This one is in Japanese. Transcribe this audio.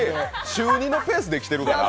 週２のペースで来てるから。